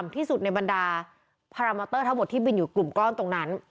ที่สุดในบรรดาพารามอเตอร์ทั้งหมดที่บินอยู่กลุ่มก้อนตรงนั้น